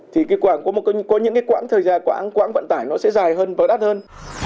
thì có những quãng thời gian quãng vận tải nó sẽ dài hơn và đắt hơn